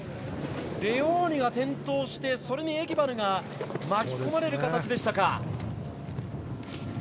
レオーニが転倒してそれにエギバルが巻き込まれる形でしたか。